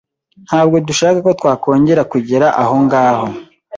Ntabwo dushaka ko twakongera kugera ahongaho